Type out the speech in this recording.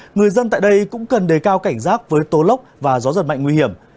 người dân tại đây cũng cần đề cao cảnh giác với tố lốc và gió giật mạnh nguy hiểm